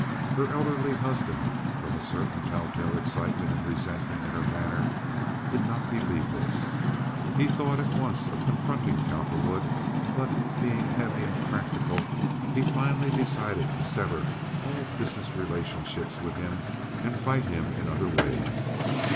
Her elderly husband, from a certain telltale excitement and resentment in her manner, did not believe this. He thought once of confronting Cowperwood; but, being heavy and practical, he finally decided to sever all business relationships with him and fight him in other ways.